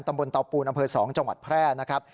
เตาปูนอำเภอ๒จังหวัดแพร่นะครับ